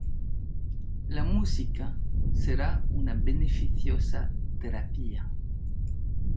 La música será una beneficiosa terapia.